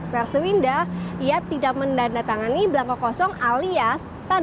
versi winda ia tidak menandatangani blangko kosong alias tanda tangan